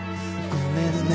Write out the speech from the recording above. ごめんね。